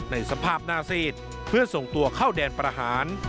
ในสภาพหน้าซีดเพื่อส่งตัวเข้าแดนประหาร